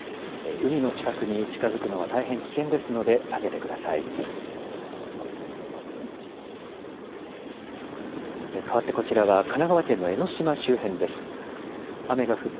海の近くに近づくのは大変危険ですので避けてください。